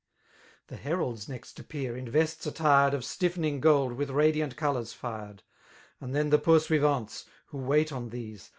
The heralds next appear, in vests attired ^ Of stiffening gold with radiant colours fired > And then the pnrsuivants, who wait on these.